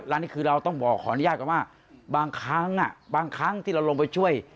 อันนี้คือเราต้องบอกขออนุญาตก่อนว่าบางครั้งบางครั้งที่เราลงไปช่วย